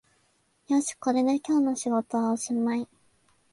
よし、これで今日の仕事はおしまい